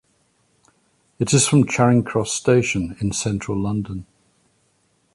It is from Charing Cross Station in Central London.